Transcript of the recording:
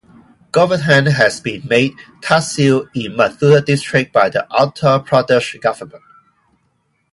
Goverdhan has been made Tahseel in Mathura District by the Uttar Pradesh government.